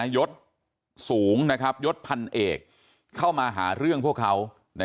ยศสูงยศพันเอกเข้ามาหาเรื่องพวกเขา